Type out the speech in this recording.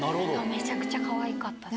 めちゃくちゃかわいかったです。